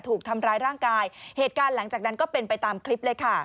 ถูกทำร้ายร่างกายเหตุการณ์หลังจากนั้นก็เป็นไปตามคลิปเลยค่ะ